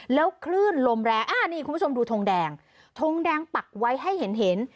แล้วคลื่นลมแรงอ่านี่คุณผู้ชมดูทงแดงทงแดงปักไว้ให้เห็นเห็น